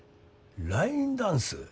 ラインダンス？